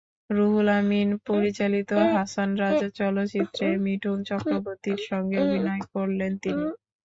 রুহুল আমীন পরিচালিত হাসান রাজা চলচ্চিত্রে মিঠুন চক্রবর্তীর সঙ্গে অভিনয় করলেন তিনি।